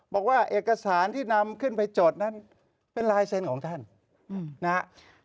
บอกว่าเอกสารที่นำขึ้นไปจดนั้นเป็นลายเซ็นต์ของท่านนะครับ